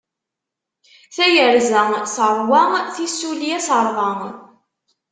Tayerza s ṛṛwa, tissulya s ṛṛḍa.